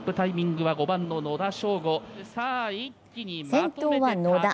先頭は野田。